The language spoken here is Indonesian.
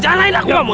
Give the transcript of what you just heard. jalain aku kamu